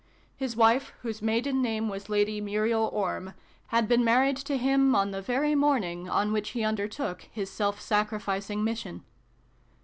His wife, whose maiden name was Lady Muriel Orme, had been married to him on the very morning on which he under took his self sacrificing mission.